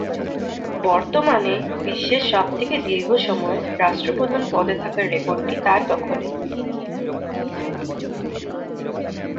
বর্তমানে বিশ্বের সবথেকে দীর্ঘসময় রাষ্ট্রপ্রধান পদে থাকার রেকর্ডটি তার দখলে।